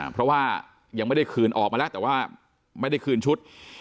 เพราะว่ายังไม่ได้คืนออกมาแล้วแต่ว่าไม่ได้คืนชุด